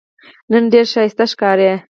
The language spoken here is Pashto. نن ډېره ښایسته ښکارې